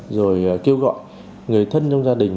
rồi kêu gọi người thân trong gia đình